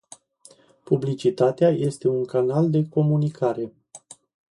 Publicitatea este un canal de comunicare.